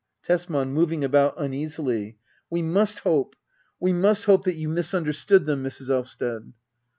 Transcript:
Tesman. [Moving about uneasily.'] We must hope — we must hope that you misunderstood them, Mrs. Elvsted.